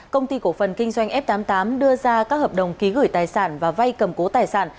công ty cổ phần kinh doanh f tám mươi tám đưa ra các hợp đồng ký gửi tài sản và vay cầm cố tài sản